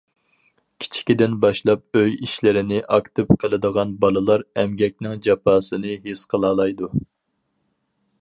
كىچىكىدىن باشلاپ ئۆي ئىشلىرىنى ئاكتىپ قىلىدىغان بالىلار ئەمگەكنىڭ جاپاسىنى ھېس قىلالايدۇ.